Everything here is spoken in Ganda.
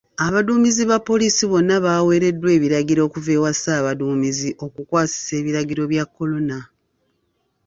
Abaduumizi ba poliisi bonna baweereddwa ebiragiro okuva ewa ssaabaduumizi okukwasisa ebiragiro bya Corona.